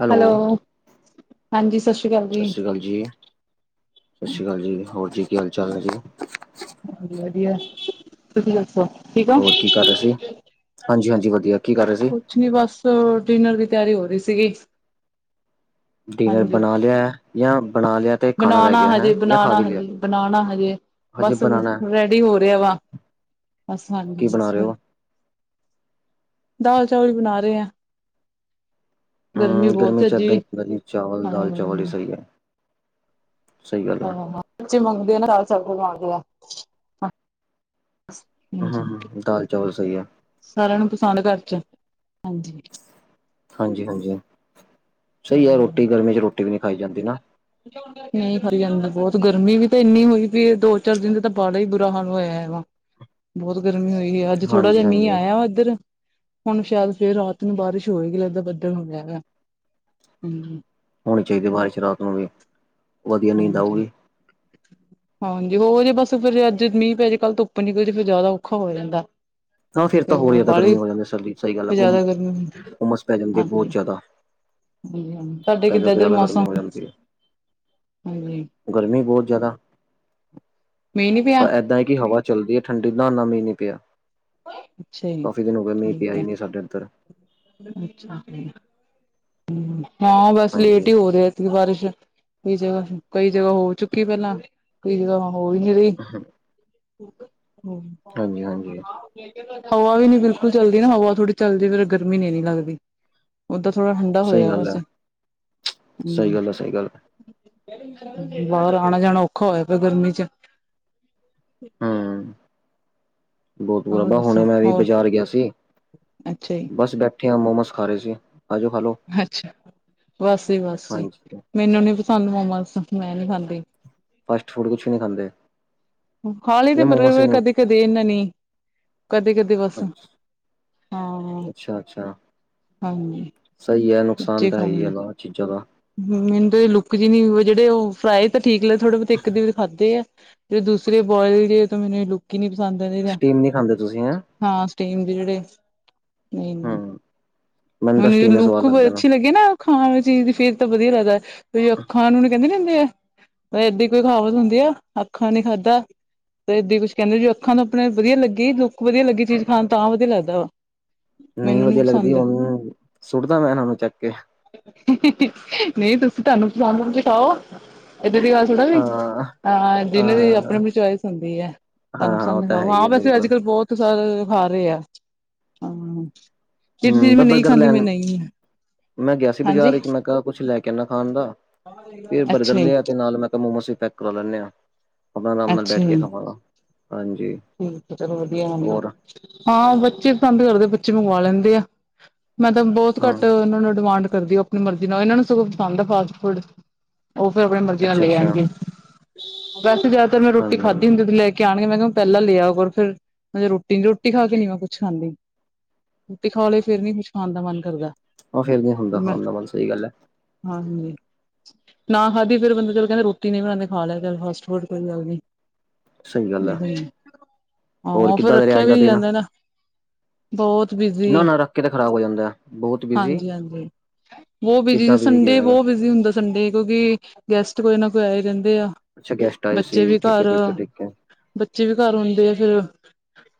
Hello ਹਾਂਜੀ ਸਤਿ ਸ਼੍ਰੀ ਅਕਾਲ ਸਤਿ ਸ੍ਰੀ ਕਾਲ ਜੀ, ਸਤਿ ਸ਼੍ਰੀ ਕਾਲ ਜੀ ਹੋਰ ਜੀ ਕੀ ਹਾਲ ਚਾਲ ਹੈ ਜੀ। ਹੋਰ ਵਧੀਆ ਤੁਸੀਂ ਦੱਸੋ ਠੀਕ ਓ? ਹੋਰ ਕੀ ਕਰ ਰਹੇ ਸੀ ਹਾਂਜੀ ਹਾਂਜੀ ਵਧੀਆ ਕੀ ਕਰ ਰਹੇ ਸੀ। ਕੁਛ ਨੀ ਬਸ ਡਿਨਰ ਦੀ ਤਿਆਰੀ ਹੋ ਰਹੀ ਸੀ ਗੀ। ਡਿਨਰ ਬਨਾ ਲਿਆ। ਜਾਂ ਬਣਾ ਲਿਆ ਤੇ ਖਾਣਾ ਰਹਿ ਬਨਾਨਾ ਗਿਆ ਹਜੇ, ਹੈ ਜਾਂ ਖਾ ਬਨਾਨਾ ਵੀ ਲਿਆ ਹਜੇ, ਬਨਾਨਾ ਹਜੇ ਹਜੇ ਬਸ ਬਣਾਉਣਾ ਹੈ। ਰੈਡੀ ਹੋ ਰਿਹਾ ਵਾ ਬਸ ਹਾਂਜੀ ਕੀ ਬਣਾ ਬਸ ਰਹੇ ਹੋ ਦਾਲ ਚੌਲ ਬਣਾ ਰੇ ਆ। ਗਰਮੀ ਹਮ ਬਹੁਤ ਏ ਚ ਏਦਾਂ ਜੀ ਹੀ ਹੁੰਦਾ ਚਾਵਲ ਦਾਲ ਚਾਵਲ ਹੀ ਹਮ ਸਹੀ ਹੈ ਸਹੀ ਗੱਲ ਹੈ ਹਾਂ ਬੱਚੇ ਮੰਗਦੇ ਆ ਨਾ ਦਾਲ ਚਾਵਲ ਮੰਗਦੇ ਆ ਹੂੰ, ਹਾਂਜੀ ਹੂੰ ਦਾਲ ਚਾਵਲ ਸਹੀ ਆ। ਸਾਰਿਆਂ ਨੂੰ ਪਸੰਦ ਘਰ ਚ ਹਾਂਜੀ। ਹਾਂਜੀ- ਹਾਂਜੀ ਸਹੀ ਐ ਰੋਟੀ ਗਰਮੀ ਚ ਰੋ [unintelligible] ਨਹੀਂ [unintelligible] ਬਹੁਤ ਗਰਮੀ ਵੀ ਤਾਂ ਇੰਨੀ ਹੋਈ ਪਈ ਦੋ ਚਾਰ ਦਿਨ ਦਾ ਤਾਂ ਬਾਲਾ ਈ ਬੁਰਾ ਹਾਲ ਹੋਇਆ ਵਾ ਬੋਤ ਗਰਮੀ ਹੋਈ ਆ ਅੱਜ ਥੋੜ੍ਹਾ ਹਾਂਜੀ ਜਾ ਮੀਂਹ ਹਾਂਜੀ ਆਇਆ ਓਦਰ ਹੁਣ ਸ਼ਾਇਦ ਫੇਰ ਰਾਤ ਨੂੰ ਬਾਰਿਸ਼ ਹੋਏਗੀ ਲੱਗਦਾ ਬੱਦਲ਼ ਹੋਆ ਵਾ ਹਮ ਹੋਨੀ ਚਾਹੀਦੀ ਬਾਰਿਸ਼ ਰਾਤ ਨੂੰ ਵੀ ਵਧੀਆ ਨੀਂਦ ਹਨ ਜੀ ਆਊਗੀ ਹਾਂਜੀ ਹੋ ਜੇ ਬੱਸ ਫੇਰ ਅੱਜ ਮੀਂਹ ਪੈ ਜੇ ਕੱਲ੍ਹ ਧੁੱਪ ਨਿਕਲ ਜੇ ਫਿਰ ਜਾਦਾ ਔਖਾ ਹੋ ਜਾਂਦਾ ਹ ਫੇਰ ਤੇ ਤਾਂ ਹੋਰ ਉਹ ਜਾਦਾ ਬਾਹਲੀ ਗਰਮੀ ਹੋ ਜਾਂਦੀ ਫਿਰ ਸਰਦੀ ਸਹੀ ਗੱਲ ਹੈ ਘੁੰਮ ਜ਼ਿਆਦਾ ਗਰਮੀ ਹੁੰਮਸ ਪੈ ਜਾਂਦੀ ਬੋਤ ਹਾਂਜੀ। ਜਾ। ਹਾਂਜੀ ਹਾਂ ਤੁਹਾਡੇ ਪਹਿਲੇ ਕਿੱਦਾਂ ਤੋਂ ਇੱਧਰ ਜਾਦਾ ਗਰਮੀ ਮੌਸਮ ਹੋ ਜਾਂਦੀ ਐ। ਹਾਂਜੀ ਗਰਮੀ ਬੋਤ ਜਾਦਾ। ਮੇਨ ਵੀ ਏਦਾਂ ਏ ਕਿ ਹਵਾ ਚੱਲਦੀ ਏ ਠੰਢੀ, ਨਾ-ਨਾ ਮੀਂਹ ਨੀ ਪੇਆ। ਅੱਛਾ ਜੀ। ਕਾਫੀ ਦਿਨ ਹੋਗੇ, ਮੀਂਹ ਠੀਕ ਪੇਆ ਈ ਹੈ ਨੀ ਸਾਡੇ ਏਧਰ। ਹਾਂ, ਬਸ ਹਾਂਜੀ ਲੇਟ ਈ ਹੋਰੇ। ਬਾਰਿਸ਼ ਕਈ ਜਗ੍ਹਾ ਕਈ ਜਗ੍ਹਾ ਹੋ ਚੁੱਕੀ ਪੈਲਾਂ, ਕਈ ਜਗ੍ਹਾ ਹੋ ਈਨੀ ਰੀ। ਹਾਂਜੀ-ਹਾਂਜੀ। ਹਵਾ ਵੀ ਨੀ ਬਿਲਕੁਲ ਚੱਲਦੀ ਨਾ, ਹਵਾ ਥੋੜ੍ਹੀ ਚੱਲਦੀ ਫੇਰ ਗਰਮੀ ਨੀ ਐਨੀ ਲੱਗਦੀ। ਓਦਾਂ ਥੋੜ੍ਹਾ ਠੰਢਾ ਸਹੀ ਹੋਇਆ ਗੱਲ ਹੈ ਵੈਸੇ, ਸਹੀ ਹੂੰ। ਗੱਲ ਹੈ ਸਹੀ ਗੱਲ ਬਾਰ ਆਣਾ-ਜਾਣਾ ਔਖਾ ਹੋਯਾ ਪੇਆ ਗਰਮੀ 'ਚ। ਹੂੰ। [unintelligible] ਹੋਰ ਦੱਸੋ ਹੁਣੇ ਮੈਂ ਵੀ ਹੋਰ ਬਜਾਰ ਗਿਆ ਸੀ, ਅੱਛਾ ਜੀ ਬਸ ਬੈਠੇ ਆ ਮੋਮੋਸ ਖਾ ਰਹੇ ਸੀ। ਆਜੋ ਖਾ ਲੋ ਅੱਛਾ, ਬਸ ਜੀ ਬਸ ਜੀ। ਹਾਂਜੀ ਮੈਨੂੰ ਨੀ ਪਸੰਦ ਮੋਮੋਸ, ਮੈਂ ਨੀ ਖਾਂਦੀ। ਫਾਸਟ ਫੂਡ ਕੁਛ ਨੀ ਖਾਂਦੇ? ਖਾ ਲਈਦੇ ਜਾਂ ਮੋਮੋਸ ਹੀ ਬਰਗਰ ਨਹੀਂ ਕਦੇ-ਕਦੇ ਏਨਾਂ ਨੀ, ਕਦੇ-ਕਦੇ ਬਸ। ਹਾਂ। ਅੱਛਾ-ਅੱਛਾ, ਹਾਂਜੀ ਸਈ ਐ ਨੁਕਸਾਨ ਤੇ ਹੈਈਏ ਏਦਾ। ਚੀਜਾਂ ਦਾ। ਹੂੰ, ਮੈਨੂੰ ਤੇ ਏ ਲੁੱਕ ਜੀ ਨੀ ਜੇੜੇ ਫਰਾਈ ਤਾਂ ਠੀਕ ਲਏ ਥੋੜੇ ਬੋ ਤੇ ਇੱਕ ਡੇਢ ਖਾਧੇ ਐ। ਤੇ ਦੂਸਰੇ ਬੋਏਲ ਦੀ ਤਾਂ ਮੈਨੂੰ ਏ ਲੁੱਕ ਹੀ ਨੀ ਪਸੰਦ ਆਦੇ। ਸਟੀਮ ਨਹੀਂ ਖਾਂਦੇ ਤੁਸੀਂ ਹੈਂ ਹਾਂ, ਸਟੀਮ ਦੇ ਜੇੜੇ। ਨਈਂ, ਹਮ ਮੈਨੂੰ ਤਾਂ ਖਾਣੇ ਵੀ ਸਟੀਮ ਹੀ ਸਵਾਦ ਲੁੱਕ ਲੱਗਦਾ ਅੱਛੀ ਲੱਗੀ ਨਾ ਖਾਣ ਆਲੀ ਚੀਜ ਦੀ ਫੇਰ ਤਾ ਵਧੀਆ ਲੱਗਦੈ, ਕੋਈ ਅੱਖਾਂ ਨੂੰ ਨੀ ਕੈਂਦੇ ਨੀ ਹੁੰਦੇ ਏ ਦੀ ਕੋਈ ਕਹਾਵਤ ਹੁੰਦੀ ਆ ਅੱਖਾਂ ਨੇ ਖਾਧਾ? ਤੇ ਏਦੇ ਕੁਛ ਕੈਂਦੇ ਜੋ ਅੱਖਾਂ ਤੋਂ ਆਪਣੇ ਵਧੀਆ ਲੱਗੀ, ਲੁੱਕ ਵਧੀਆ ਲੱਗੀ ਚੀਜ ਖਾਣ ਤਾਂ ਵਧੀਆ ਲੱਗਦਾ ਵਾ। ਨਈਂ ਮੈਨੂੰ ਨੀ ਵਧੀਆਂ ਲੱਗਦੀ ਪਸੰਦ ਹੁਨ, ਸੁੱਟਦਾ ਮੈਂ ਏਨਾਂ ਨੂੰ ਚੱਕ ਕੇ? ਨਈਂ, ਤੁਸੀਂ ਤੁਆਨੂੰ ਪਸੰਦ ਤੁਸੀਂ ਖਾਓ, ਏਦਾਂ ਦੀ ਗੱਲ ਥੋੜ੍ਹਾ ਵੇ। ਹਾਂ ਹਾਂ, ਜਿੰਨੇ ਦੀ ਹਾਂ ਅਪਨੀ-ਅਪਨੀ ਵੀ ਚੋਇਸ ਹੁੰਦੀ ਐ, ਤਾਨੂੰ ਹਾਂ-ਹਾਂ ਉਹ ਪਸੰਦ ਤਾਂ ਹੈ ਖਾਓ। ਹੀ ਹਾਂ, ਹੈ ਵੈਸੇ ਬਿਲਕੁਲ ਅੱਜ-ਕੱਲ ਬੋਤ ਸਾਰੇ ਖਾ ਰੇਆ, ਹਾਂ। ਜਿਹੜੀ ਚੀਜ਼ ਹੂੰ, ਬ ਮੈਂ ਨਹੀਂ ਬਰਗਰ ਖਾਂਦੀ ਮੈਂ ਲੈਣ, ਨਹੀਂ ਮੈਂ ਗਿਆ ਸੀ ਹਾਂਜੀ ਬਾਜਾਰ ਵਿੱਚ ਮੈਂ ਕਾ ਕੁਛ ਲੈ ਕੇ ਆਣਾ ਖਾਣ ਦਾ, ਫੇਰ ਅੱਛਾ ਬਰਗਰ ਜੀ ਲਿਆ ਤੇ ਨਾਲ ਮੈਂ ਕੇਆ ਮੋਮੋਸ ਵੀ ਪੈਕ ਕਰਾ ਲੈਂਣੇ ਆ। ਅਪਨਾ ਰਾਮ ਨਾਲ ਬੈਠ ਅੱਛਾ ਕੇ ਜੀ ਖਾਵਾਂਗਾ, ਹਾਂਜੀ। ਠੀਕ ਚਲੋ ਵਧੀਆ ਹੁਨਾ ਹੋਰ ਹਾਂ, ਬੱਚੇ ਪਸੰਦ ਕਰਦੇ ਬੱਚੇ ਮੰਗਵਾ ਲੈਂਦੇ ਆ। ਮੈਂ ਤਾਂ ਬੋਤ ਘੱਟ ਹੂੰ ਅ ਓਨਾਂ ਨੂੰ ਡਿਮਾਂਡ ਕਰਦੀ ਆ ਅਪਨੀ ਮਰਜ਼ੀ ਨਾਲ। ਏਨਾਂ ਨੂੰ ਸਗੋਂ ਪਸੰਦ ਆ ਫਾਸਟ ਫੂਡ। ਓ ਫੇਰ ਅਪਨੀ ਮਰਜ਼ੀ ਨਾਲ ਲੈ ਅੱਛਾ-ਅੱਛਾ ਆਣਗੇ ਵੈਸੇ ਜਾਦਾਤਰ ਮੈਂ ਰੋਟੀ ਖਾਧੀ ਹਾਂਜੀ-ਹਾਂਜੀ ਹੁੰਦੀ ਓਦੋ ਲੈਕੇ ਕੇ ਆਣਗੇ। ਮੈਂ ਕੇਆ ਪੈਲਾਂ ਲਿਆ ਕਰੋ, ਫੇਰ ਰੋਟੀ ਰੋਟੀ ਖਾ ਕੇ ਨੀ ਮੈਂ ਕੁਛ ਖਾਂਦੀ। ਰੋਟੀ ਖਾ ਲਈ, ਫੇਰ ਨੀ ਕੁਛ ਖਾਣ ਦਾ ਮਨ ਕਰਦਾ। ਓ ਫੇਰ ਨੀ ਹੁੰਦਾ ਮੈਂ ਖਾਣ ਦਾ ਮਨ, ਸਈ ਗੱਲ ਐ। ਹਾਂਜੀ। ਨਾ ਖਾਧੀ ਫੇਰ ਬੰਦਾ ਚੱਲੋ ਕੈਂਦਾ ਰੋਟੀ ਨੀ ਬਣਾਦੇ ਖਾ ਲਿਆ ਕਰ ਫਾਸਟ ਫੂਡ ਕੋਈ ਗੱਲ ਨੀ। ਸਈ ਗੱਲ ਐ, ਏਦਾਂ ਹੀ ਹੋਰ ਹਾਂ ਫਿਰ ਕਿੱਦਾਂ ਦਾ ਰਿਹਾ ਰੱਖਿਆ ਅੱਜ ਵੀ ਦਾ ਨੀ ਦਿਨ? ਜਾਂਦਾ ਨਾ ਬਹੁਤ ਬਿਜੀ ਨਾ-ਨਾ ਰੱਖ ਕੇ ਤਾਂ ਖਰਾਬ ਹੋ ਜਾਂਦਾ, ਬਹੋਤ ਬੀਜੀ? ਬੋਤ ਬੀਜੀ। ਸੰਡੇ ਬੋਤ ਬੀਜੀ ਹੁੰਦਾ ਸੰਡੇ ਕਿਉਂਕਿ ਗੈਸਟ ਕੋਈ ਨਾ ਕੋਈ ਆਏ ਰੈਂਦੇ ਆ। ਅੱਛਾ, ਗੈਸਟ ਆਏ ਸੀ ਬੱਚੇ ਵੀ ਘਰ ਠੀਕੈ-ਠੀਕੈ-ਠੀਕੈ। ਬੱਚੇ ਵੀ ਘਰ ਹੁੰਦੇ ਆ ਫਿਰ।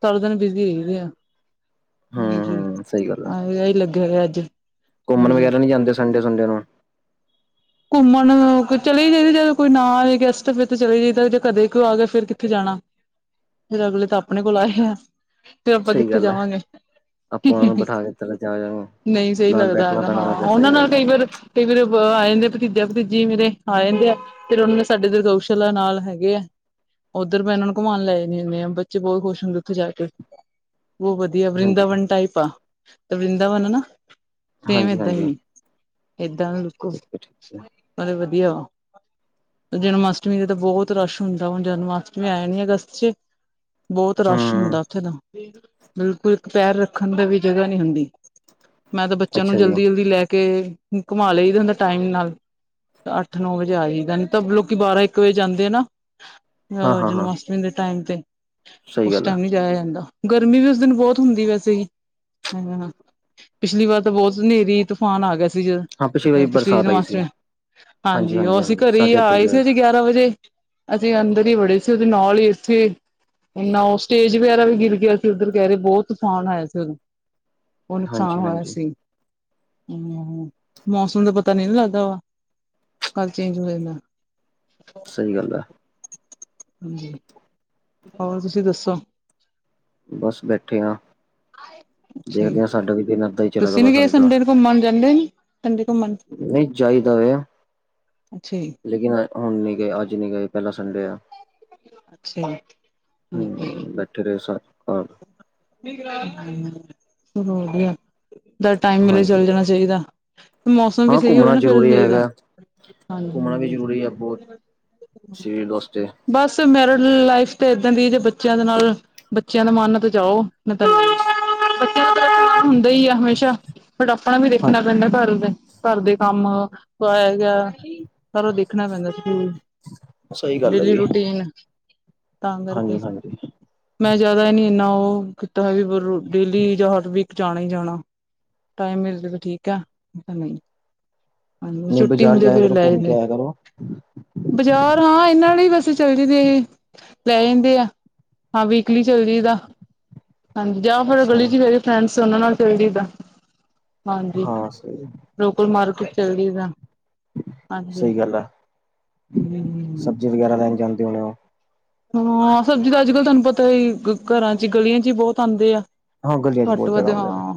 ਸਾਰਾ ਦਿਨ ਬਿਜੀ ਰਹਿਦੇ ਆ। ਹਾਂਜੀ ਹੂੰ-ਹੂੰ ਸਹੀ ਗੱਲ ਹੈ ਆਅ ਲੱਗਿਆ ਹੋਆ ਅੱਜ। ਘੁੰਮਣ ਵਗੈਰਾ ਨੀ ਜਾਂਦੇ ਸੰਡੇ ਸੰਡੇ ਨੂੰ ਘੁੰਮਣ ਅ ਕ ਚਲੇ ਜਾਈਦੇ, ਜਦੋਂ ਕੋਈ ਨਾ ਆਏ ਗੈਸਟ ਫਿਰ ਤਾਂ ਚਲੇ ਜਾਈਦਾ। ਜੇ ਕਦੇ ਕੋਈ ਆ ਗਿਆ, ਫਿਰ ਕਿੱਥੇ ਜਾਣਾ। ਫਿਰ ਅਗਲੇ ਤਾਂ ਆਪਣੇ ਕੋਲ ਆਏ ਆ, ਫਿਰ ਆਪਾਂ ਸਹੀ ਕਿੱਥੇ ਗੱਲ ਹੈ ਜਾਵਾਂਗੇ। ਆਪਾਂ ਉਹਨਾਂ ਨੂੰ ਬਿਠਾ ਕੇ ਤਲਾ ਜਾ ਨਹੀਂ ਸਹੀ ਨਾਲ ਲੱਗਦਾ ਬੈਠਣਾ ਹੈਗਾ ਪੈਣਾ ਹਾਂ। ਦੇ ਉਹਨਾਂ ਸਹੀ ਨਾਲ ਗੱਲ ਹੈ ਕਈ ਵਾਰ ਕਈ ਵਾਰ ਬਾਅ ਆ ਜਾਂਦੀ, ਫਿਰ ਭਤੀਜਾ ਭਤੀਜੀ ਮੇਰੇ ਆ ਜਾਂਦੇ ਆ। ਫਿਰ ਉਹਨਾਂ ਦੇ ਸਾਡੇ ਇਧਰ ਗਊਸ਼ਾਲਾ ਨਾਲ ਹੈਗੇ ਆ। ਉੱਧਰ ਮੈਂ ਇਹਨਾਂ ਨੂੰ ਘੁਮਾਉਣ ਲੈ ਜਾਨੀ ਹੁੰਨੀ ਆ, ਬੱਚੇ ਬਹੁਤ ਖੁਸ਼ ਹੁੰਦੇ ਉੱਥੇ ਜਾ ਕੇ। ਬਹੁਤ ਵਧੀਆ ਹਾਂਜੀ ਵ੍ਰਿੰਦਾਵਨ ਟਾਈਪ ਆ, ਤੇ ਵ੍ਰਿੰਦਾਵਨ ਨਾ ਸੇਮ ਹਾਂਜੀ ਏਦਾਂ ਹਾਂਜੀ ਹੀ ਆ। ਏਦਾਂ ਦਾ ਬਿਲਕੁਲ ਠੀਕ ਹੈ ਠੀਕ ਨਾਲੇ ਵਧੀਆ ਵਾ। ਜਨਮ ਅਸ਼ਟਮੀ ਦਾ ਤਾਂ ਬਹੁਤ ਰਸ਼ ਹੁੰਦਾ। ਹੁਣ ਜਨਮ ਅਸ਼ਟਮੀ ਆ ਜਾਣੀ ਅਗਸਤ 'ਚ ਬਹੁਤ ਰਸ਼ ਹਮ ਹੁੰਦਾ ਉੱਥੇ ਤਾ। ਬਿਲਕੁਲ ਇੱਕ ਪੈਰ ਰੱਖਣ ਦੀ ਵੀ ਜਗ੍ਹਾ ਨਹੀਂ ਹੁੰਦੀ। ਮੈਂ ਤਾਂ ਬੱਚਿਆਂ ਨੂੰ ਅੱਛਾ ਜੀ ਜਲਦੀ ਜਲਦੀ ਲੈ ਕੇ ਘੁਮਾ ਲਿਆਇਦਾ ਹੁੰਦਾ ਟਾਈਮ ਨਾਲ। ਅੱਠ ਨੌ ਵਜੇ ਆ ਜਾਈਦਾ। ਨਹੀ ਤਾਂ ਲੋਕੀ ਬਾਰਾਂ ਇੱਕ ਵਜੇ ਜਾਂਦੇ ਆ ਨਾ ਹਾਂ ਅਹ ਹਾਂ ਜਨਮ ਹਾਂ ਅਸ਼ਟਮੀ ਮ ਦੇ ਟਾਈਮ ਤੇ। ਸਹੀ ਉਸ ਗੱਲ ਆ ਟਾਈਮ ਨੀ ਜਾਇਆ ਜਾਂਦਾ। ਗਰਮੀ ਵੀ ਉਸ ਦਿਨ ਬਹੁਤ ਹੁੰਦੀ ਵੈਸੇ ਵੀ ਪਿਛਲੀ ਵਾਰ ਤਾਂ ਬਹੁਤ ਹਨੇਰੀ ਤੂਫਾਨ ਆ ਗਿਆ ਸੀ। ਹਾਂ, ਪਿਛਲੀ ਵਾਰੀ ਬਰਸਾਤ ਆਈ ਸੀ। ਹਾਂਜੀ, ਉਹ ਅਸੀਂ ਘਰੇ ਈ ਆਏ ਸੀ ਅਸੀਂ ਗਿਆਰਾਂ ਵਜੇ। ਅਸੀਂ ਅੰਦਰ ਹੀ ਬੜੇ ਸੀ। ਉਹਦੇ ਨਾਲ ਹੀ ਇੱਥੇ ਇੰਨਾ ਉਹ ਸਟੇਜ ਵਗੈਰਾ ਵੀ ਗਿਰ ਗਿਆ ਸੀ ਉੱਧਰ ਕਹਿ ਰਹੇ ਬਹੁਤ ਤੁਫਾਨ ਆਇਆ ਸੀ। ਬਹੁ ਨੁਕਸਾਨ ਹਾਂਜੀ ਹੋਇਆ ਹਾਂਜੀ ਸੀ। ਹਮ ਮੌਸਮ ਦਾ ਪਤਾ ਨੀ ਨਾ ਲੱਗਦਾ ਵਾ। ਕਦ ਚੇਂਜ ਹੋ ਜਾਂਦਾ। ਸਹੀ ਗੱਲ ਹੈ। ਹੋਰ ਤੁਸੀਂ ਦੱਸੋ? ਬਸ ਬੈਠੇ ਹਾਂ। ਅੱਛਾ ਜੀ ਦੇਖਦੇ ਹਾਂ ਸਾਡਾ ਵੀ ਦਿਨ ਐਦਾ ਹੀ ਚਲਾ ਗਿਆ ਬਸ ਅੱਜ ਦਾ। ਏਦੀ ਘੁੰਮਣ ਨਹੀਂ ਜਯੇਦਾ ਏ ਅੱਛਾ ਜੀ ਲੇਕਿਨ ਅ ਹੁਣ ਨੀ ਗਏ ਅੱਜ ਨੀ ਗਏ ਪਹਿਲਾਂ ਸੰਡੇ ਆ। ਅੱਛਾ ਜੀ ਹਮ ਠੀਕ ਹੈ ਜੀ ਬੈਠੇ ਰਹੇ ਸਾਰੇ ਚੱਲੋ ਵਧੀਆ ਜਦ ਟਾਈਮ ਮਿਲੇ ਹਾਂਜੀ ਚੱਲ ਜਾਣਾ ਚਾਹੀਦਾ। ਮੋਸਮ ਵੀ ਹਾਂ ਸਹੀ ਹੋਵੇ ਘੁੰਮਣਾ ਨਾ ਫਿਰ ਜ਼ਰੂਰੀ ਸਹੀ ਦਾ। ਹੈਗਾ ਹਾ ਸੈਲ ਵਾਸਤੇ ਬਸ ਮੈਰਿਡ ਲਾਈਫ ਤੇ ਇੱਦਾਂ ਦੀ ਜੇ ਬੱਚਿਆਂ ਦੇ ਨਾਲ ਬੱਚਿਆਂ ਦਾ ਮਨ ਆ ਤੇ ਜਾਓ ਮੈਂ ਨਹੀਂ ਤਾਂ ਨਹੀਂ ਬੱਚਿਆ ਹੁੰਦਾ ਈ ਆ ਹਮੇਸ਼ਾ ਬਟ ਆਪਣਾ ਵੀ ਹਾਂ ਦੇਖਣਾ ਪੈਂਦਾ ਘਰ ਦੇ ਘਰ ਦੇ ਕੰਮ ਕੋਈ ਆਇਆ ਗਿਆ ਸਾਰਾ ਦੇਖਣਾ ਪੈਂਦਾ ਸੀ ਸਹੀ ਗੱਲ ਹੈ ਡੇਲੀ ਜੀ ਰੂਟੀਨ ਤਾਂ ਕਰਕੇ ਹਾਂਜੀ ਹਾਂਜੀ ਮੈਂ ਜ਼ਿਆਦਾ ਹੀ ਨੀ ਇੰਨਾ ਉਹ ਕੀਤਾ ਹੈ ਵੀ ਡੇਲੀ ਜਾਂ ਹਰ ਵੀਕ ਜਾਣਾ ਈ ਜਾਣਾ ਟਾਈਮ ਮਿਲਜੇ ਤੇ ਵੀ ਠੀਕ ਆ ਨਹੀਂ ਹਾਂਜੀ ਨਹੀਂ ਛੁੱਟੀ ਬਾਜ਼ਾਰ ਹੁੰਦੀ ਜਾਇਆ ਫੇਰ ਕਰੋ ਲੈ ਘੁੰਮ ਕੇ ਜਾਂਦੇ ਆਇਆ ਕਰੋ ਬਜ਼ਾਰ ਹਾਂ, ਇਹਨਾਂ ਲਈ ਵੈਸੇ ਚੱਲਜੀਦੇ, ਲੈ ਜਾਂਦੇ ਆ। ਹਾਂ ਵੀ ਕੱਲੀ ਚਲਜੀ ਦਾ, ਹਾਂਜੀ। ਜਾਂ ਫਿਰ ਉਹ ਅੱਛਾ ਗਲੀ 'ਚ ਵੀ ਹ ਫਰੈਂਡਸ ਉਹਨਾਂ ਨਾਲ ਚਲਜੀ ਦਾ, ਹਾਂਜੀ। ਹਾਂ ਸਹੀ ਲੋਕਲ ਮਾਰਕੀਟ ਚੱਲਜੀ ਦਾ। ਹਾਂਜੀ। ਸਹੀ ਗੱਲ ਆ ਹਮ ਊ ਜਾਂਦੇ ਹੋਣੇ ਓ। ਹਾਂ, ਸਬਜ਼ੀ ਦਾ ਅੱਜ-ਕਲ੍ਹ ਤੁਹਾਨੂੰ ਪਤਾ ਈ। ਘਰਾਂ 'ਚ, ਗਲ਼ੀਆਂ 'ਚ ਈ ਬਹੁਤ ਆਂਦੇ ਆ। ਹਾਂ ਗਲੀਆਂ ਚ ਬਹੁਤ ਘੱਟ-ਵੱਧ ਜ਼ਿਆਦਾ ਹੁੰਦੇ ਨੇ ਹਾਂ।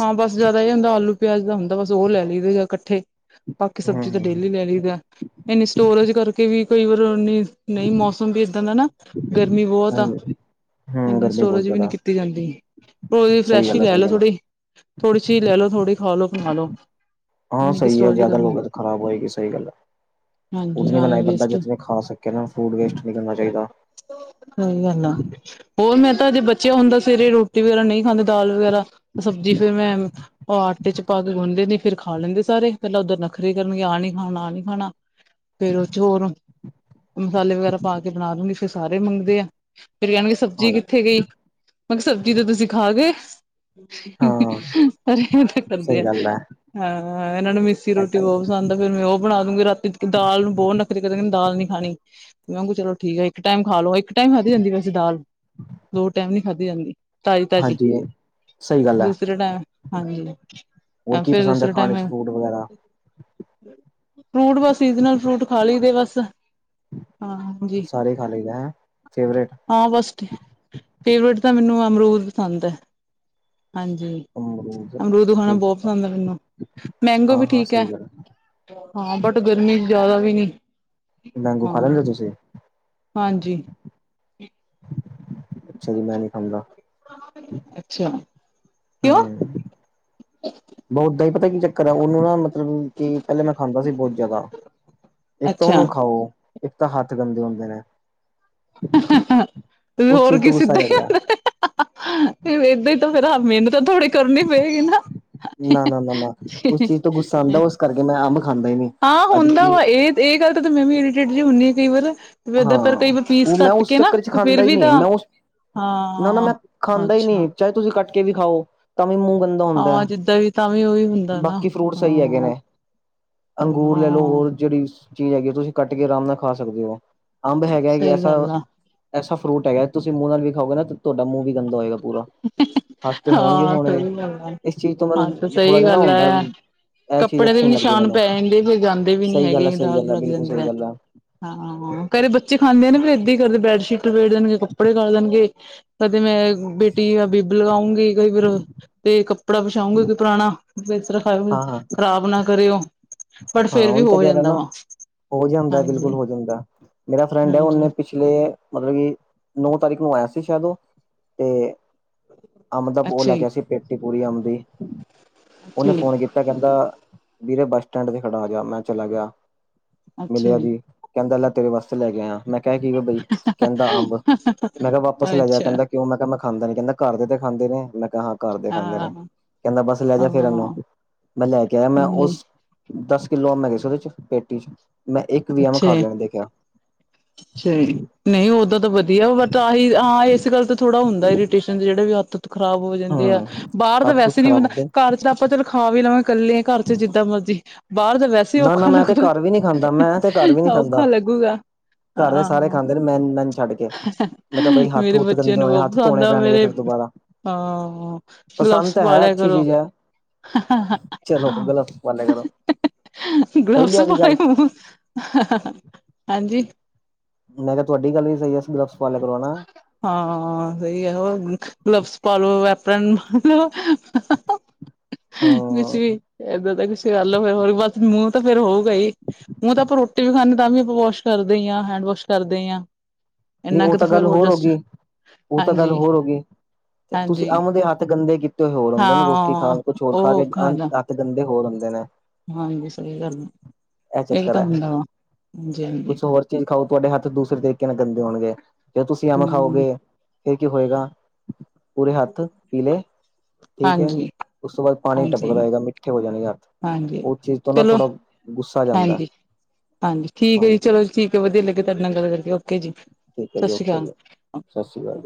ਹਾਂ, ਬਸ ਜ਼ਿਆਦਾ ਇਹ ਹੁੰਦਾ ਆਲੂ, ਪਿਆਜ਼ ਦਾ ਹੁੰਦਾ। ਬਸ ਉਹ ਲੈ ਲਈਦੇ ਆ ਕੱਠੇ। ਬਾਕੀ ਹੂੰ ਸਬਜ਼ੀ ਤਾਂ ਹੂੰ ਡੇਲੀ ਲੈ ਲਈਦਾ। ਇੰਨੀ ਸਟੋਰੇਜ ਕਰਕੇ ਵੀ ਕਈ ਵਾਰ ਨੀ, ਨਹੀਂ ਮੌਸ ਹੁੰਦੀ ਏਦਾਂ ਦਾ ਨਾ। ਗਰਮੀ ਬਹੁਤ ਆ ਹਾਂਜੀ, ਹੂੰ ੲੈਨੀ ਗਰਮੀ ਬਹੁਤ ਸਟੋਰੇਜ ਵੀ ਨੀ ਜ਼ਿਆਦਾ ਕੀਤੀ ਜਾਂਦੀ। ਓਈ ਸਹੀ ਫਰੈਸ਼ ਈ ਗੱਲ ਆ ਸਹੀ ਲੈਲੋ ਗੱਲ ਆ ਥੋੜੀ। ਥੋੜ੍ਹੀ ਚੀਜ਼ ਲੈਲੋ, ਥੋੜੀ ਖਾ ਲੋ, ਫਿਲਹਾਲ ਓ। ਆਂ ਸਹੀ ਐ। ਜ਼ਿਆਦਾ ਲੋਗੇ ਤਾਂ ਖ਼ਰਾਬ ਹੋਏਗੀ, ਸਹੀ ਗੱਲ ਐ। ਹਾਂਜੀ ਉਤਨੀ ਹਾਂ ਬਣਾਏ ਬੰਦਾ ਵੇਸਟ ਜਿਤਨੀ ਖਾ ਸ ਕਹਿਦੇ ਨ ਫੂਡ ਵੇਸਟ ਨੀ ਕਰਨਾ ਚਾਹੀਦਾ। ਸਹੀ ਗੱਲ ਆ। ਹੋਰ ਮੈਂ ਤਾਂ ਜੇ ਬੱਚੇ ਹੁੰਦਾ ਸਵੇਰੇ ਰੋਟੀ ਵਗੈਰਾ ਨਹੀਂ ਖਾਂਦੇ। ਦਾਲ ਵਗੈਰਾ, ਸਬਜ਼ੀ ਫਿਰ ਮੈਂ ਉਹ ਆਟੇ 'ਚ ਪਾ ਕੇ ਗੁੰਨ ਦੇਨੀ, ਫਿਰ ਖਾ ਲੈਂਦੇ ਸਾਰੇ। ਪਹਿਲਾਂ ਉਦਾਂ ਨਖ਼ਰੇ ਕਰਨਗੇ। ਆਹ ਨੀ ਖਾਣਾ, ਆਹ ਨੀ ਖਾਣਾ। ਫੇਰ ਉਚ ਹੋਰ ਹੁਣ, ਮਸਾਲੇ ਵਗੈਰਾ ਪਾ ਕੇ ਬਣਾਦੂੰ ਨੀ ਫਿਰ ਸਾਰੇ ਮੰਗਦੇ ਆ। ਫਿਰ ਕਹਿਣਗੇ ਹਾਂ ਸਬਜ਼ੀ ਕਿੱਥੇ ਗਈ। ਮੈਂ ਕਿਹਾ ਸਬਜ਼ੀ ਤੇ ਤੁਸੀਂ ਖਾ ਗੇ। ਹਾਂ ਹਜੇ ਵੀ ਏਡੇ ਗੰਦੇ ਆ। ਸਹੀ ਗੱਲ ਹੈ ਐ, ਇਹਨਾਂ ਨੂੰ ਮਿੱਸੀ ਰੋਟੀ ਏਦਾਂ ਹੀ ਬਹੁਤ ਹੈ। ਪਸੰਦ ਤਾਂ ਫਿਰ ਮੈਂ ਉਹ ਬਣਾਦੂੰਗੀ। ਰਾਤੀ ਦਾਲ ਨੂੰ ਬਹੁਤ ਨਖ਼ਰੇ ਕਰਨਗੇ। ਦਾਲ ਨੀ ਖਾਣੀ ਮੈ ਆਂਗੂ, ਚਲੋ ਠੀਕ ਐ, ਇੱਕ ਟੈਂਮ ਖਾ ਲੋ। ਇੱਕ ਟੈਂਮ ਖਾਧੀ ਜਾਂਦੀ ਵੈਸੇ ਦਾਲ। ਦੋ ਟੈਂਮ ਨੀ ਖਾਧੀ ਜਾਂਦੀ। ਤਾਜ਼ੀ-ਤਾਜ਼ੀ। ਹਾਂਜੀ ਸਹੀ ਗੱਲ ਹੈ ਦੂਸਰੇ ਟਾਈਮ, ਹਾਂਜੀ। ਹੋਰ ਕੀ ਫੇਰ ਪਸੰਦ ਹੈ ਦੂਸਰੇ ਟਾਈਮ ਖਾਣੇ ਚ ਫੂਡ ਵਗੈਰਾ ਫਰੂਟ ਦਾ ਸੀਜਨ ਆ। ਫਰੂਟ ਖਾ ਲੀ ਦੇ ਬਸ ਆਹੋ। ਸਾਰੇ ਈ ਖਾ ਲਈ ਦੇ ਹੈਂ। ਫੇਵਰੇਟ ਹਾਂ ਬਸ, ਫੇਵਰੇਟ ਤਾਂ ਮਿਨੂੰ ਅਮਰੂਦ ਪਸੰਦ ਐ, ਹਾਂਜੀ। ਅਮਰੂਦ ਮੈ ਨਾ ਬਹੁਤ ਪਸੰਦ ਐ ਮਿਨੂੰ। ਮੈਂਗੋ ਹਾਂ ਵੀ ਹਾਂ ਠੀਕ ਐ। ਸਹੀ ਗੱਲ ਹੈ। ਹਾਂ। ਬਟ, ਗਰਮੀ 'ਚ ਜ਼ਿਆਦਾ ਵੀ ਨੀ ਮੈਂਗੋ ਖਾ ਲੈਂਦੇ ਹਾਂ। ਓ ਤੁਸੀਂ? ਹਾਂਜੀ। ਅੱਛਾ ਜੀ, ਮੈਂ ਨੀ ਖਾਂਦਾ। ਅੱਛਾ। ਕਿਉਂ ਹਮ, ਬਹੁ ਓਦਾਂ ਈ ਪਤਾ ਕੀ ਚੱਕਰ ਐ। ਉਹਨੂੰ ਨਾ ਮਤਲਬ ਕਿ, ਪਹਿਲੇ ਮੈਂ ਖਾਂਦਾ ਸੀ ਬਹੁਤ ਜ਼ਿਆਦਾ। ਇੱਕ ਤਾਂ ਅੱਛਾ ਉਹਨੂੰ ਖਾਓ, ਇੱਕ ਤਾਂ ਹੱਥ ਗੰਦੇ ਹੁੰਦੇ ਨੇ। ਤੇ ਉਸ ਹੋਰ ਚੀਜ਼ ਤੋਂ ਕੀ ਗੁੱਸਾ ਸਿੱਧਾ ਈ ਚੜਦਾ ਫਿਰ ਏਦਾ ਈ ਤੋਂ ਫੇਰ ਹ ਮਿਹਨਤ ਤੋ ਥੋੜੀ ਕਰਨੀ ਪਏਗੀ ਨਾ। ਨਾ-ਨਾ-ਨਾ-ਨਾ। ਉਸ ਚੀਜ਼ ਤੋਂ ਗੁੱਸਾ ਆਂਦਾ। ਉਸ ਕਰਕੇ ਮੈਂ ਅੰਬ ਖਾਂਦਾ ਈ ਨੀ। ਆਹ ਅਜ ਹੁੰਦਾ ਕਿ ਵਾ। ਇਹ-ਇਹ ਗੱਲ ਤੋਂ ਤਾਂ ਮੈਂ ਵੀ ਇਰੀਟੇਟ ਜਹੀ ਹੁੰਨੀ ਕਈ ਵਾਰ ਵੇ ਏਦਾ ਫਿਰ, ਕਈ ਹਾਂ ਵਾਰ ਪੀਸ ਉਹ ਮੈਂ ਕੱਟ ਉਸ ਕੇ ਨਾ। ਚੱਕਰ ਚ 'ਤੇ ਫੇਰ ਖਾਂਦਾ ਹੀ ਵੀ ਤਾਂ ਨਹੀਂ ਮੈਂ ਉਸ ਨਾ ਨਾ ਮੈਂ ਹਾਂ-ਹਾ ਖਾਂਦਾ ਹੀ ਅੱਛਾ। ਨਹੀਂ ਚਾਹੇ ਤੁਸੀਂ ਕੱਟ ਕੇ ਵੀ ਖਾਓ। ਤਾਂ ਵੀ ਮੂੰਹ ਗੰਦਾ ਹੁੰਦਾ, ਹਾਂ ਜਿੱਦਾਂ ਵੀ ਤਾਂ ਵੀ ਉਹੀ ਹੁੰਦਾ ਨਾ ਬਾਕੀ ਫਰੂਟ ਸਈ ਹੈਗੇ ਹਾਂ ਨੇ। ਅੰਗੂਰ ਲੈਲੋ ਹਾਂ ਹੋਰ ਜਿਹੜੀ ਚੀਜ਼ ਹੈਗੀ ਐਂ, ਤੁਸੀਂ ਕੱਟ ਕੇ ਆਰਾਮ ਨਾ ਖਾ ਸਕਦੇ ਓ ਅੰਬ ਹੈਗਾ ਇਕ ਸਹੀ ਐਸਾ ਗੱਲ ਆ ਐਸਾ ਫਰੂਟ ਹੈਗਾ ਤੁਸੀਂ ਮੂੰਹ ਨਾਲ ਵੀ ਖਾਓਗੇ, ਨਾ ਤੇ ਤੁਹਾਡਾ ਮੂੰਹ ਵੀ ਗੰਦਾ ਹੋਏਗਾ ਪੂਰਾ। ਹੱਥ ਤੇ ਹੋਣਗੇ- ਹਾਂ ਹੋਣਗੇ ਸਹੀ ਗੱਲ ਹੈ ਇਸ ਚੀਜ਼ ਤੋਂ ਹਾਂ ਤਾਂ ਮੈਨੂੰ ਥੋੜਾ ਸਹੀ ਜਾ ਨਾ ਓ ਗੱਲ ਹੁੰਦਾ ਐ। ਹੈ ਐਹ ਚੀਜ਼ ਕੱਪੜੇ ਦੇ ਅੱਛੀ ਵੀ ਨੀ ਲੱਗਦੀ, ਨਿਸ਼ਾਨ ਮੈਨੂੰ ਪੈ ਜਾਂਦੇ ਫਿਰ ਜਾਂਦੇ ਵੀ ਨੀ ਸਹੀ ਗੱਲ ਆ ਹੈਗੇ ਸਹੀ ਦਾਗ ਗੱਲ ਆ, ਲੱਗ ਬਿਲਕੁਲ ਜਾਂਦੇ ਸਹੀ ਹੈ ਗੱਲ ਆ। ਹਾਂ ਘਰੇ ਬੱਚੇ ਖਾਂਦੇ ਨੇ, ਫਿਰ ਏਦਾਂ ਈ ਕਰਦੇ ਬੈੱਡਸ਼ੀਟ ਲਬੇੜਦੇਣਗੇ, ਕੱਪੜੇ ਕਰ ਦੇਣਗੇ। ਕਦੇ ਮੈਂ ਬੇਟੀ ਬਿੱਬ ਲਗਾਉਂਗੀ ਕਈ ਫਿਰ ਤੇ ਕੱਪੜਾ ਵਿਛਾਉਂਗੀ ਕੋਈ ਪੁਰਾਣਾ ਬਿਸਤਰਾ [unintelligible] ਹਾਂ ਹਾਂ ਖ਼ਰਾਬ ਨਾ ਕਰੇ ਓ। ਬਟ ਹਾਂ ਫੇਰ ਵੀ ਉਹੀ ਤਾਂ ਹੋ ਕਹਿ ਰਿਹਾ ਜਾਂਦਾ ਨਾ ਵਾ। ਹੋ ਜਾਂਦਾ ਬਿਲਕੁਲ ਹਾਂਜੀ ਹੋ ਜਾਂਦਾ, ਮੇਰਾ ਫਰੈਂਡ ਏ ਉਨੇ ਹਾਂਜੀ ਪਿੱਛੇ -ਲੇ ਮਤਲਬ ਕਿ ਨੌ ਤਾਰੀਕ ਨੂੰ ਆਇਆ ਸੀ, ਸ਼ਾਇਦ ਉਹ ਤੇ ਅੰਬ ਦਾ ਪੋ ਅੱਛਾ ਲੈ ਕੇ ਜੀ ਆਇਆ ਸੀ ਪੇਟੀ ਪੂਰੀ ਅੰਬ ਦੀ, ਅੱਛਾ ਉਨੇ ਜੀ ਫੋਨ ਕੀਤ ਤੇ ਕਹਿੰਦਾ ਵੀਰੇ ਬੱਸ ਸਟੈਂਡ ਤੇ ਖੜਾ, ਆ ਗਿਆ। ਮੈਂ ਚਲਾ ਗਿਆ ਮਿਲਿਆ ਜੀ। ਕਹਿੰਦਾ ਲੈ ਤੇਰੇ ਵਾਸਤੇ ਲੈ ਕੇ ਆਇਆ, ਮੈਂ ਕਿਹਾ ਇਹ ਕੀ ਆ ਬਈ ਕਹਿੰਦਾ ਅੰਬ, ਮੈਂ ਕਿਹਾ ਵਾਪਸ ਲੈ ਜਾ ਅੱਛਾ ਕਹਿੰਦਾ ਕਿਉਂ ਮੈਂ ਕਿਹਾ ਮੈ ਖਾਂਦਾ ਨੀ, ਕਹਿੰਦਾ ਘਰਦੇ ਤੇ ਖਾਂਦੇ ਨੇ। ਮੈਂ ਕਿਹਾਂ ਹਾ ਘਰਦੇ ਖਾਂਦੇ ਨੇ ਹਾਂ ਕਹਿੰਦਾ ਬਸ ਲੈ ਹਾਂ ਜਾ ਫੇਰ ਐਨੂੰ, ਮੈਂ ਲੈ ਕੇ ਆਇਆ ਮੈਂ ਹਮ ਉਸ ਦੱਸ ਕਿੱਲੋ ਅੰਬ ਮਿਲ਼ੇ ਸੀ‌ ਉਹਦੇ ਚ ਪੇਟੀ ਚ, ਮੈਂ ਇੱਕ ਵੀ ਅੰਬ ਅੱਛਾ ਖਾਂ ਕੇ ਨੀ ਦੇਖਿਆ। ਅੱਛਾ ਜੀ, ਨਹੀਂ ਓਦਾਂ ਤਾਂ ਵਧੀਆ ਬਟ ਆਹੀ ਹਾ ਇਸ ਗੱਲ ਤੇ ਥੋੜਾ ਹੁੰਦਾ‌ ਏ ਇਰੀਟੇਸ਼ਨ ਜਿਹੜੇ ਵੀ ਹੱਥ ਖਰਾਬ ਹੋ ਜਾਂਦੇ ਆ, ਹੂੰ ਬਾਹਰ ਤਾਂ ਹੱਥ ਹੁਥ ਵੈਸੇ ਵੀ ਖਰਾਬ ਬੰਦਾ ਹੁੰਦੇ ਘਰ ਚ ਤੇ ਆਪਾਂ ਚਲੋ। ਖਾ ਵੀ ਲਵਾਂਗੇ, ਕੱਲੇ ਆਂ ਘਰ ਚ ਜਿੱਦਾਂ ਮਰਜੀ ਬਾਹਰ ਤਾਂ ਵੈਸੇ ਸੇ ਨਾ ਨਾ ਔਖਾ ਮੈਂ ਤੇ ਲੱਗੂ, ਘਰ ਵੀ ਨੀ ਖਾਂਦਾ ਮੈਂ ਤੇ ਘਰ ਵੀ ਨੀ ਖਾਂਦਾ ਔਖਾ ਲੱਗੂਗਾ। ਘਰ ਦੇ ਹਾਂ, ਸਾਰੇ ਖਾਂਦੇ ਨੇ ਮੈਂ ਮੈਨੂੰ ਛੱਡ ਕੇ ਮੈਂ ਕਿਹਾ ਬਈ ਹੱਥ ਮੇਰੇ ਹੁੱਥ ਬੱਚਿਆਂ ਗੰਦੇ ਨੂੰ ਹੋਣੇ ਬਹੁ ਹੱਥ ਪਸੰਦ ਧੋਣੇ ਆ ਪੈਣਗੇ ਮੇਰੇ ਫਿਰ ਦੁਬਾਰਾ ਹਾਂ, ਪਸੰਦ ਗਲੱਵਸ ਤਾਂ ਹੈ ਪਾਲਿਆ ਅੱਛੀ ਕਰੋ। ਚੀਜ਼ ਹੈ ਚਲੋ ਗਲੱਬਸ ਪਾਂ ਲਿਆ ਕਰੋ। ਗਲਬਸ ਸਹੀ ਹੈ ਵੀ ਪਾਏ ਗੱਲ ਹੋਣ, ਹਾਂਜੀ। ਮੈਂ ਕਿਹਾ ਤੁਆਡੀ ਗੱਲ ਵੀ ਸਈ ਏ, ਵੈਸੇ ਗਲੱਬਸ ਪਾਂ ਲਿਆ ਕਰੋ ਨਾ। ਹਾਂ ਸਹੀ ਆ, ਹੋਰ ਗਲਵਸ ਪਾਲੋ ਵੈਪਨ। ਕੁੱਛ ਹੂੰ ਵੀ ਏਦਾ ਤਾਂ ਕੁਛ ਕਰ ਲੋ, ਫੇਰ ਬਸ ਮੂ ਤਾਂ ਫੇਰ ਹੋਊਗਾ ਈ, ਮੂੰਹ ਤਾਂ ਆਪਾਂ ਰੋਟੀ ਵੀ ਖਾਂਦੇ ਤਾਂ ਵੀ ਆਪਾਂ ਵਾਸ਼ ਕਰਦੇ ਈ ਆ, ਹੈਂਡ ਵਾਸ਼ ਕਰਦੇ ਹਾਂ। ਨਹੀਂ ਇੰਨਾ ਉਹ ਕੁ ਤਾਂ ਫਿਰ ਗੱਲ ਹੋਰ ਜਸਟ ਹੋਗੀ, ਉਹ ਤਾਂ ਗੱਲ ਹਾਂਜੀ ਹੋਰ ਹੋਗੀ। ਤੇ ਤੁਸੀਂ ਹਾਂਜੀ ਅੰਮ ਦੇ ਹੱਥ ਗੰਦ ਕੀਤੇ ਹੋਏ ਹੋਰ ਹੁੰਦੇ ਨੇ, ਰੋਟੀ ਹਾਂ ਖਾਣ ਕੁਛ ਹੋਰ ਖਾ ਉਹ ਕੇ ਔਖਾ ਹੁੰਦਾ [unintelligible] ਤੇ ਗੰਦੇ ਹੋਰ ਹੁੰਦੇ ਨੇ। ਹਾਂਜੀ ਸਹੀ ਗੱਲ ਆਂ, ਇਹ ਇਹੀ ਚੱਕਰ ਤਾਂ ਹੈ ਹੁੰਦਾ ਵਾ ਹਾਂਜੀ- ਹਾਂਜੀ। ਕੁਛ ਹੋਰ ਚੀਜ਼ ਖਾਓ ਤੁਹਾਡੇ ਹੱਥ ਦੂਸਰੇ ਤਰੀਕੇ ਨਾਲ ਗੰਦੇ ਹੋਣਗੇ, ਜੇ ਤੁਸੀਂ ਅੰਬ ਹਮ ਖਾਓਗੇ ਫੇਰ ਕੀ ਹੋਏਗਾ। ਪੂਰੇ ਹੱਥ ਪੀਲੇ, ਠੀਕ ਏ ਹਾਂਜੀ ਉਸ ਤੋਂ ਬਾਅਦ ਪਾਨੀ ਟਪਕਦਾ ਹਾਂਜੀ ਰਏਗਾ ਮਿੱਠੇ ਹੋ ਜਾਣੇਂ ਹਾਂਜੀ, ਚਲੋ ਗੁੱਸਾ ਜਾਂਦਾ ਹਾਂਜੀ, ਹਾਂਜੀ ਠੀਕ ਐ ਜੀ ਹਾਂਜੀ ਚਲੋ। ਠੀਕ ਏ ਵਧੀਆ ਲੱਗਿਆ ਤੁਆਡੇ ਨਾਲ ਗੱਲ ਕਰਕੇ, ਓਕੇ ਜੀ ਠੀਕ ਹੈ ਜੀ ਸਾਸਰੀ ਓਕੇ ਜੀ ਸਤਿ ਸ਼੍ਰੀ ਕਾਲ। ਅਕਾਲ